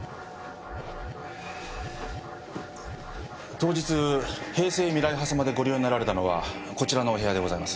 当日平成未来派様でご利用になられたのはこちらのお部屋でございます。